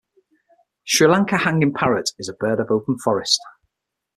Sri Lanka hanging parrot is a bird of open forest.